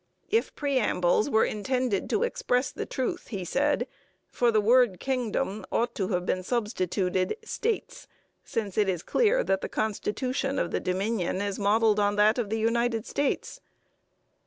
'If preambles were intended to express the truth,' he said, 'for the word _Kingdom _ought to have been substituted States, since it is clear that the constitution of the Dominion is modelled on that of the United States.'